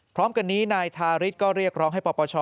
พร้อมกันนี้นายทาริสก็เรียกร้องให้ปปช